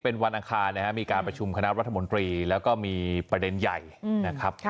เป็นวันอังคารนะครับมีการประชุมคณะรัฐมนตรีแล้วก็มีประเด็นใหญ่นะครับ